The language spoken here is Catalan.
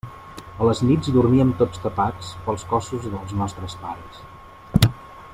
A les nits dormíem tots tapats pels cossos dels nostres pares.